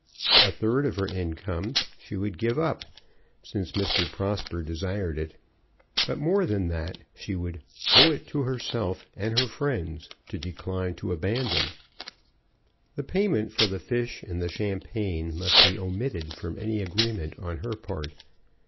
A third of her income she would give up, since Mr. Prosper desired it; but more than that she "would owe it to herself and her friends to decline to abandon." The payment for the fish and the champagne must be omitted from any agreement on her part.